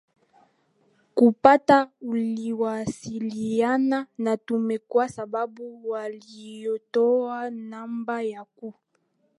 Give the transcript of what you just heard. kupata uliwasiliana na tume kwa sababu waliotoa namba ya ku